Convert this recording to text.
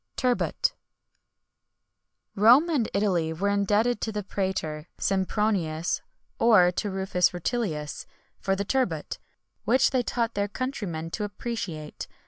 TURBOT. Rome and Italy were indebted to the prætor, Sempronius, or to Rufus Rutilius,[XXI 95] for the turbot, which they taught their countrymen to appreciate.